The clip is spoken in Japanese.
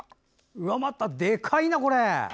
うわ、またでかいな。